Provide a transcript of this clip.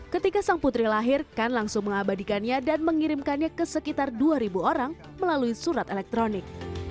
ketika sang putri lahir kan langsung mengabadikannya dan mengirimkannya ke sekitar dua orang melalui surat elektronik